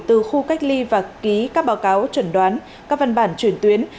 từ khu cách ly và ký các báo cáo chuẩn đoán các văn bản chuyển tuyến